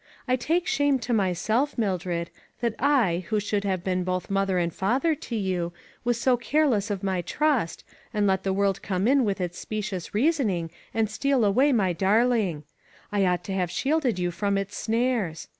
I take shame to myself, Mildred, that I, who should have been both mother and father to you, was so careless of my trust, and let the world come in with its specious reasoning and steal away my dar ling. I ought to have shielded you from its snares.